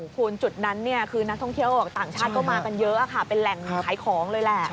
คุณจุดนั้นคือนักท่องเที่ยวออกต่างชาติก็มากันเยอะค่ะเป็นแหล่งขายของเลยแหละ